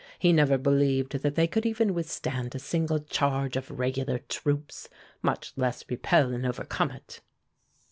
He never believed that they could even withstand a single charge of regular troops, much less repel and overcome it."